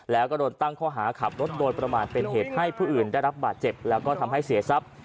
แล้วก็โดนตั้งข้อหาขับรถโดยประมาทเป็นเหตุให้ผู้อื่นได้รับบาดเจ็บแล้วก็ทำให้เสียทรัพย์